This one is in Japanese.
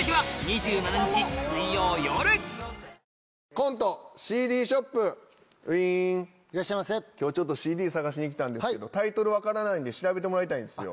今日ＣＤ探しに来たんですけどタイトル分からないんで調べてもらいたいんですよ。